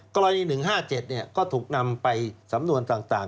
กรณี๑๕๗ก็ถูกนำไปสำนวนต่าง